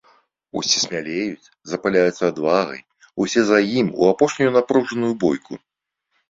Усе смялеюць, запаляюцца адвагай, усе за ім, у апошнюю напружаную бойку.